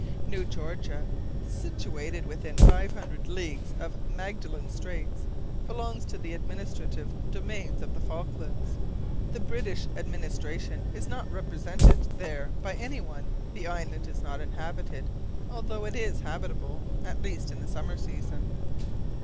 New Georgia, situated within five hundred leagues of Magellan Straits, belongs to the administrative domain of the Falklands. The British administration is not represented there by anyone, the island is not inhabited, although it is habitable, at least in the summer season.